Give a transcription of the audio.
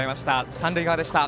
三塁側でした。